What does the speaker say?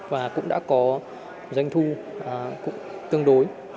và cũng đã có doanh thu tương đối